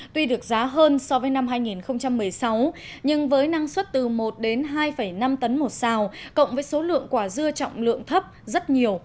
tuy được giá hơn so với năm hai nghìn một mươi sáu nhưng với năng suất từ một đến hai năm tấn một xào cộng với số lượng quả dưa trọng lượng thấp rất nhiều